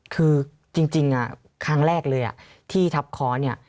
คือจริงครั้งแรกเลยที่ทับค้อเนี่ย